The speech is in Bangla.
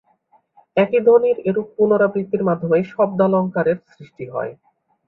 একই ধ্বনির এরূপ পুনরাবৃত্তির মাধ্যমেই শব্দালঙ্কারের সৃষ্টি হয়।